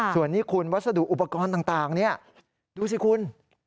ส่วนนี้คุณวัสดุอุปกรณ์ต่างนี่ดูสิคุณ